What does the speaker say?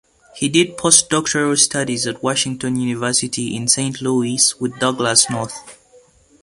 He did post-doctoral studies at Washington University in Saint Louis with Douglass North.